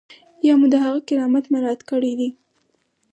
یا مو د هغه کرامت مراعات کړی دی.